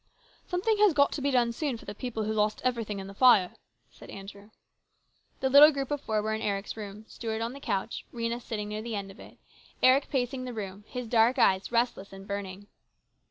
" Something has got to be done soon for the people who lost everything in the fire," said Andrew. The little group of four were in Eric's room, Stuart on the couch, Rhena sitting near the end of it, Eric pacing the room, his dark eyes restless and burning.